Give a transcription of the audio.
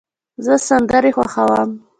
زه سندرې خوښوم.